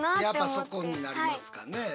やっぱそこになりますかね。